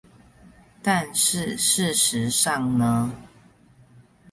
但是事實上呢